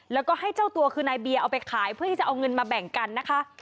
แล้วก็ให้เจ้าตัวคือนายเบียร์เอาไปขายเพื่อที่จะเอาเงินมาแบ่งกันนะคะ